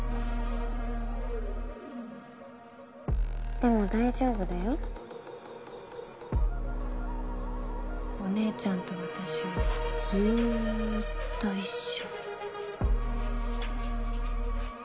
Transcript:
でも大丈夫だよお姉ちゃんと私はずっと一緒。